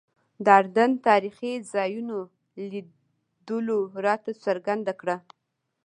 د اردن تاریخي ځایونو لیدلو راته څرګنده کړه.